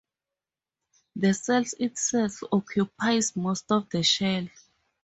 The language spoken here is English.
The cell itself occupies most of the shell.